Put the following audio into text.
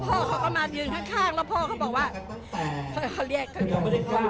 พ่อเขาบอกว่าเฮ้ยเขาเรียกเขาอยู่